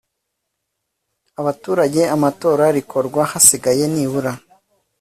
abaturage amatora rikorwa hasigaye nibura